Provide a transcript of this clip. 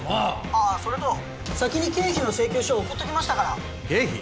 ああそれと先に経費の請求書送っときましたから経費？